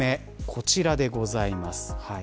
こちらでございます。